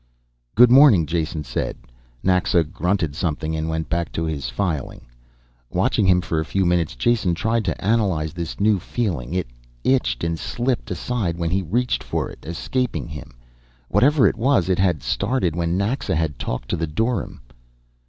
"Good morning," Jason said. Naxa grunted something and went back to his filing. Watching him for a few minutes, Jason tried to analyze this new feeling. It itched and slipped aside when he reached for it, escaping him. Whatever it was, it had started when Naxa had talked to the dorym.